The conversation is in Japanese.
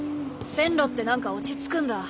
線路って何か落ち着くんだ。